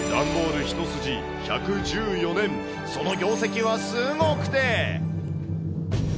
一筋１１４年、その業績はすごくて。